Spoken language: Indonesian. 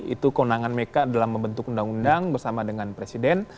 itu keunangan mereka dalam membentuk undang undang bersama dengan presiden